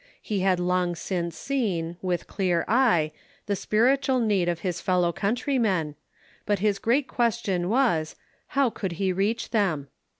He bad long since seen, with clear eye, the spiritual need of his fel low countrymen, but his great question was, how could he reach them?